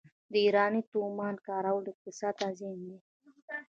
د ایراني تومان کارول اقتصاد ته زیان دی.